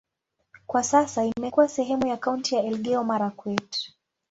Kwa sasa imekuwa sehemu ya kaunti ya Elgeyo-Marakwet.